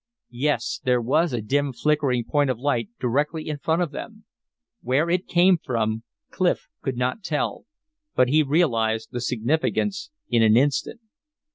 Yes, there was a dim flickering point of light directly in front of them. Where it came from Clif could not tell, but he realized the significance in an instant.